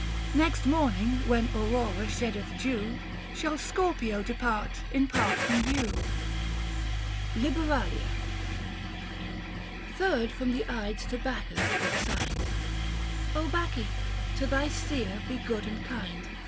Next morning when Aurora sheddeth dew, Shall Scorpio depart in part from view. XVI. KAL. APR. LIBERALIA. Third from the Ides to Bacchus is assigned. Bacche ! to thy Seer be good and land.